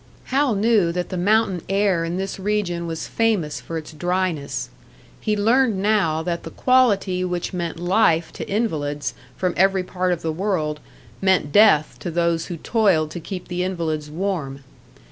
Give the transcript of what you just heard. Hal knew that the mountain air in this region was famous for its dryness; he learned now that the quality which meant life to invalids from every part of the world meant death to those who toiled to keep the invalids warm.